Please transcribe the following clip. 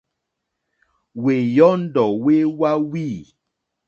Wéyɔ́ndɔ̀ wé wáwî.